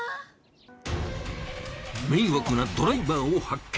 迷惑なドライバーを発見。